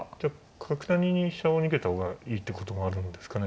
角成に飛車を逃げた方がいいってこともあるんですかね。